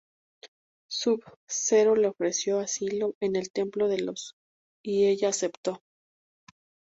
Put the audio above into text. Sub-Zero le ofreció asilo en el templo de los y ella aceptó.